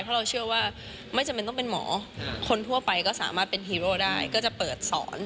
เพราะเราเชื่อว่าไม่จำเป็นต้องเป็นหมอคนทั่วไปก็สามารถเป็นฮีโร่ได้ก็จะเปิดสอน